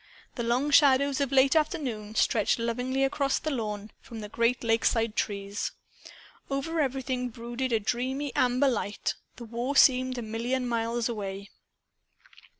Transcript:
The long shadows of late afternoon stretched lovingly across the lawn, from the great lakeside trees. Over everything brooded a dreamy amber light. The war seemed a million miles away.